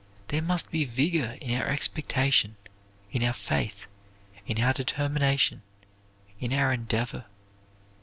There must be vigor in our expectation, in our faith, in our determination, in our endeavor.